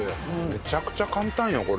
めちゃくちゃ簡単よこれだって。